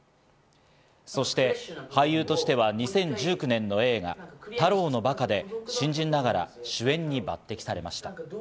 そして俳優としては２０１９年の映画『タロウのバカ』で新人ながら主演に抜擢されました。